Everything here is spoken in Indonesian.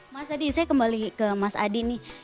mas adi saya kembali ke mas adi nih